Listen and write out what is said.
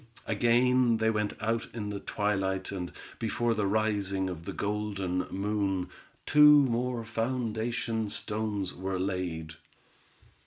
Again they went out in the twilight, and before the rising of the golden moon, two more foundation stones were laid.